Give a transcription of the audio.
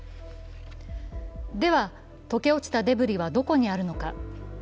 では、溶け落ちたデブリはどこにあるのか。